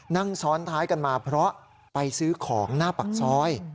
นั่งซ้อนท้ายกันมาเพราะไปซื้อของหน้าปากซอย